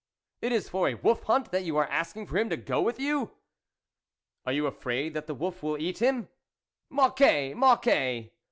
it is for a wolf hunt that you are asking for him to go with you? "" Are you afraid that the wolf will eat him ?"" Mocquet ! Mocquet !